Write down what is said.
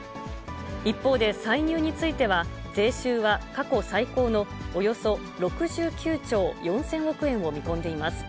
一方で歳入については、税収は過去最高のおよそ６９兆４０００億円を見込んでいます。